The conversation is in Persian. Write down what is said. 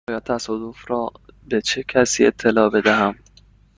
باید تصادف را به چه کسی اطلاع بدهم؟